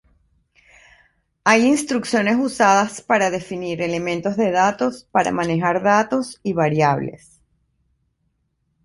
Hay instrucciones usadas para definir elementos de datos para manejar datos y variables.